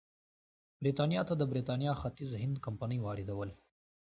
برېټانیا ته د برېټانیا ختیځ هند کمپنۍ واردول.